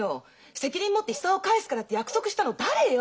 責任持って久男を帰すからって約束したの誰よ！？